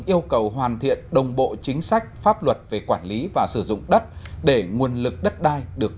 yêu cầu hoàn thiện đồng bộ chính sách pháp luật về quản lý và sử dụng đất để nguồn lực đất đai được